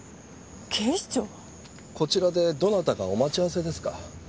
こちらでどなたかお待ち合わせですか？